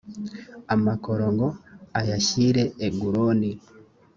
amakoro ngo ayashyire eguloni